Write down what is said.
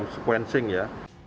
kita sequencing ya